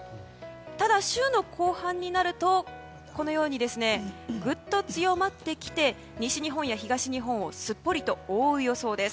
ただ、週の後半になるとぐっと強まってきて西日本や東日本をすっぽりと覆う予想です。